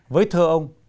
với thơ ông